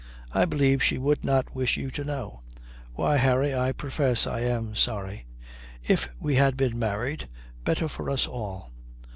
I believe she would not wish you to know. Why, Harry, I profess I am sorry. If we had been married, better for us all."